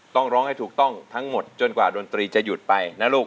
ต้องร้องให้ถูกต้องทั้งหมดจนกว่าดนตรีจะหยุดไปนะลูก